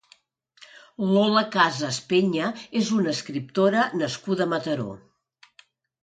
Lola Casas Peña és una escriptora nascuda a Mataró.